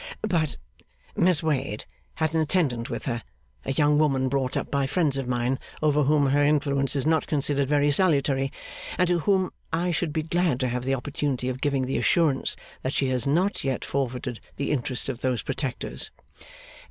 ' But, Miss Wade had an attendant with her a young woman brought up by friends of mine, over whom her influence is not considered very salutary, and to whom I should be glad to have the opportunity of giving the assurance that she has not yet forfeited the interest of those protectors.